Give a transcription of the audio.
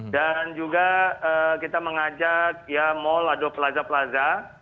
dan juga kita mengajak ya mal ada plaza plaza